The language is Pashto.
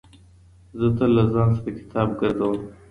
زه تل له ځان سره کتاب ګرځوم.